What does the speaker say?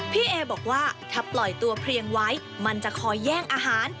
พี่เอบอกว่าถ้าปล่อยตัวเพลียงไว้มันจะคอยแย่งอาหาร